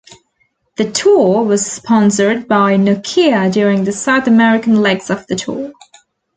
The tour was sponsored by Nokia during the South American legs of the tour.